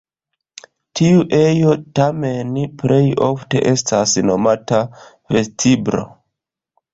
Tiu ejo tamen plej ofte estas nomata vestiblo.